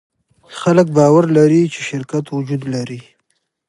خلک باور لري، چې شرکت وجود لري.